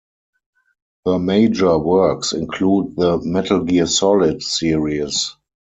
Her major works include the "Metal Gear Solid" series.